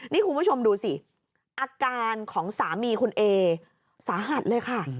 นี่คุณผู้ชมดูสิอาการของสามีคุณเอสาหัสเลยค่ะ